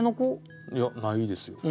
いやないですよ。